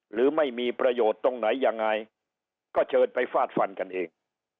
หรือไม่มีประโยชน์ตรงไหนยังไงก็เชิญไปฟาดฟันกันเอง